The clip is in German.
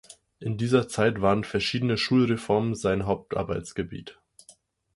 In dieser Zeit waren verschiedene Schulreformen sein Hauptarbeitsgebiet.